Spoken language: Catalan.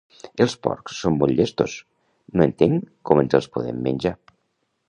Els porcs són molt llestos, no entenc com ens els podem menjar